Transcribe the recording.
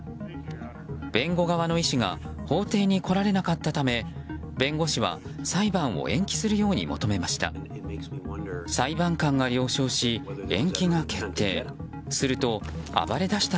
弁護側の医師が法廷に来られなかったため弁護士は裁判を延期するように求めました。